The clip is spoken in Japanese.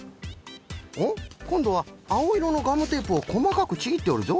おっこんどはあおいろのガムテープをこまかくちぎっておるぞ。